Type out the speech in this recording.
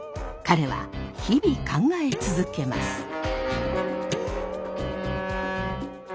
彼は日々考え続けます。